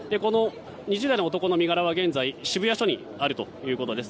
２０代の男の身柄は、現在渋谷署にあるということです。